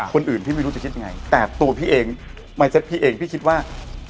คนอื่นพี่ไม่รู้จะคิดยังไงแต่ตัวพี่เองไมเซตพี่เองพี่คิดว่า